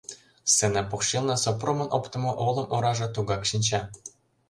Сцена покшелне Сопромын оптымо олым ораже тугак шинча.